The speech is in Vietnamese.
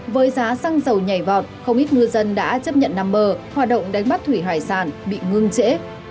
với giá xăng dầu nhảy vọt không ít ngư dân đã chấp nhận nằm bờ hoạt động đánh bắt thủy hải sản bị ngưng trễ